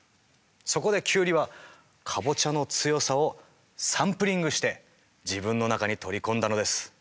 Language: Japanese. そこでキュウリはカボチャの強さをサンプリングして自分の中に取り込んだのです。